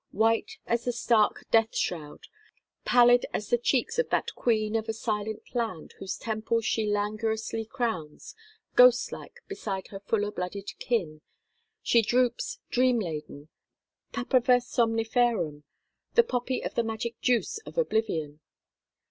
White as the stark death shroud, pallid as the cheeks of that queen of a silent land whose temples she languorously crowns, ghost like beside her fuller blooded kin, she droops dream laden, Papaver somniferum, the poppy of the magic juice of oblivion.